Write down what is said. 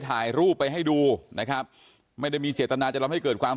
ถ่ายรูปไปให้ดูนะครับไม่ได้มีเจตนาจะทำให้เกิดความ